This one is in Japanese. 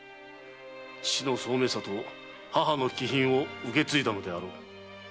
父の聡明さと母の気品を受け継いだのであろう。